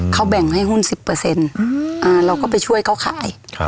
เขาแบ่งให้หุ้น๑๐เราก็ไปช่วยเขาขาย